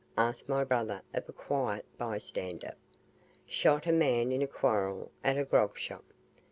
asked my brother of a quiet by stander. "Shot a man in a quarrel at a grogshop."